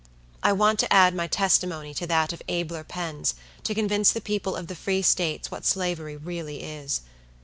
I want to add my testimony to that of abler pens to convince the people of the Free States what Slavery really is.